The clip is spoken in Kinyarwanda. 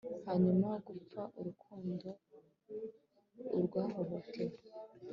hanyuma, gupfa urukundo, uwahohotewe